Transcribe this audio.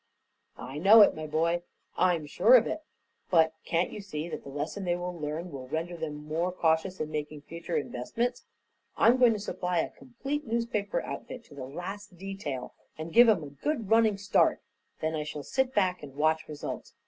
"I know it, my boy. I'm sure of it. But can't you see that the lesson they will learn will render them more cautious in making future investments? I'm going to supply a complete newspaper outfit to the last detail and give 'em a good running start. Then I shall sit back and watch results.